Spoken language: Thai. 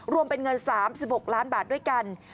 รวมเป็นเงิน๓๖ล้านบาทด้วยกัน